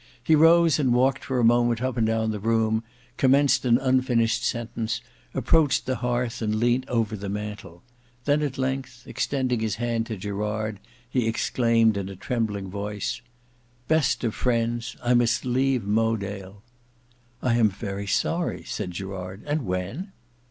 He rose and walked for a moment up and down the room, commenced an unfinished sentence, approached the hearth and leant over the mantel; and then at length extending his hand to Gerard he exclaimed, in a trembling voice, "Best of friends, I must leave Mowedale." "I am very sorry," said Gerard; "and when?"